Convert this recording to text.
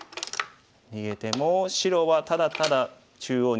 逃げても白はただただ中央に出ているだけ。